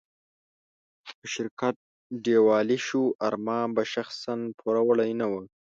که شرکت ډيوالي شو، ارمان به شخصاً پوروړی نه و.